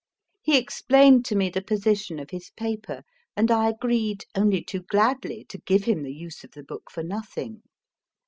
He explained to me the position of his paper, and I agreed (only too gladly) to give him the use of the book for nothing.